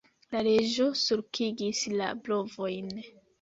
La Reĝo sulkigis la brovojn.